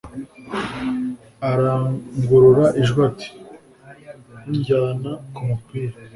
arangurura ijwi ati 'unjyana ku mupira